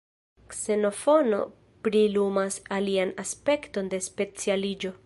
Ksenofono prilumas alian aspekton de specialiĝo.